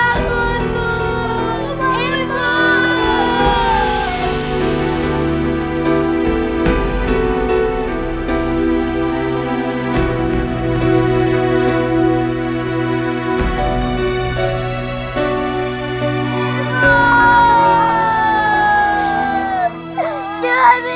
jangan tinggalkan aku